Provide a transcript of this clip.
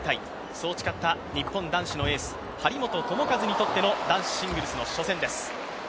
そう語った日本男子のエース、張本智和にとっての、男子シングルスの初戦です。